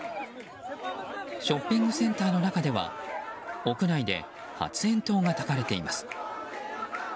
ショッピングセンターの中では屋内では発煙筒がたかれています。